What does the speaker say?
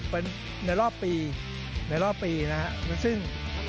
เป็นในรอบปีในรอบปีนะฮะซึ่ง